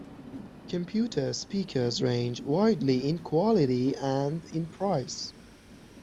Computer speakers range widely in quality and in price.